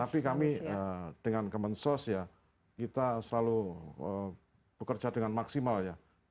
tapi kami dengan kemensos ya kita selalu bekerja dengan maksimal ya